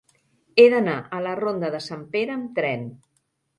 He d'anar a la ronda de Sant Pere amb tren.